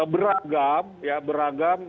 beragam ya beragam